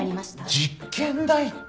実験台って。